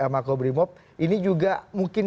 pak kapolri mob ini juga mungkin